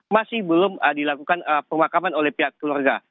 masih belum dilakukan pemakaman oleh pihak keluarga